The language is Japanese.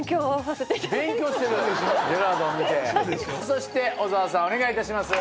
そして小沢さんお願いいたします。